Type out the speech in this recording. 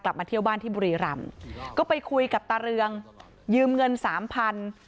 มาเที่ยวบ้านที่บุรีรำก็ไปคุยกับตาเรืองยืมเงินสามพัน